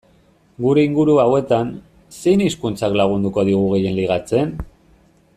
Gure inguru hauetan, zein hizkuntzak lagunduko digu gehien ligatzen?